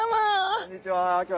こんにちは。